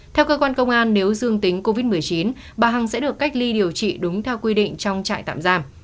theo cơ quan công an nếu dương tính covid một mươi chín bà hằng sẽ được cách ly điều trị đúng theo quy định trong trại tạm giam